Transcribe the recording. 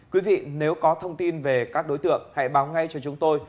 quý vị nếu có thông tin về các đối tượng hãy báo ngay cho chúng tôi